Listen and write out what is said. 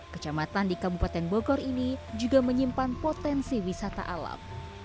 kecamatan di kabupaten bogor ini juga menyimpan potensi wisata alam